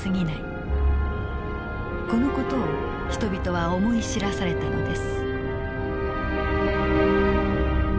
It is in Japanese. この事を人々は思い知らされたのです。